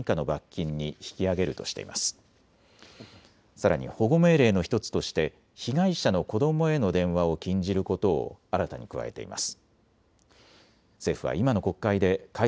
さらに保護命令の１つとして被害者の子どもへの電話を禁じることを新たに加えています。